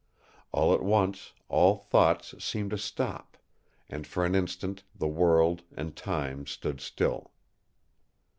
All at once, all thoughts seemed to stop; and for an instant the world and time stood still.